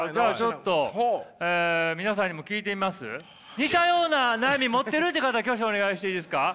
似たような悩み持ってるって方挙手お願いしていいですか？